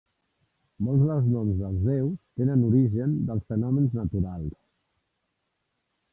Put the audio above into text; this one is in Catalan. Molts dels noms dels déus tenen origen dels fenòmens naturals.